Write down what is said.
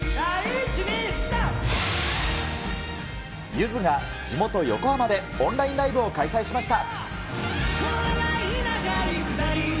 ゆずが地元、横浜でオンラインライブを開催しました。